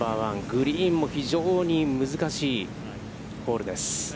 グリーンも非常に難しいホールです。